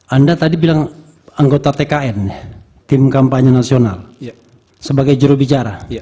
anda tadi bilang anggota tkn tim kampanye nasional sebagai jurubicara